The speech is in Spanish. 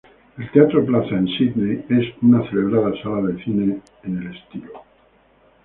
El Teatro Plaza en Sídney es una celebrada sala de cine en el estilo.